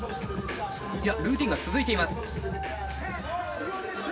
いやルーティーンが続いています。